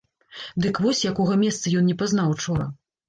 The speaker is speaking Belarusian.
Дык вось якога месца ён не пазнаў учора!